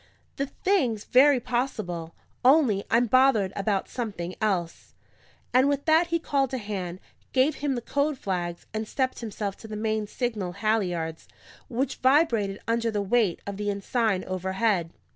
"The thing's very possible. Only, I'm bothered about something else." And with that he called a hand, gave him the code flags, and stepped himself to the main signal halliards, which vibrated under the weight of the ensign overhead.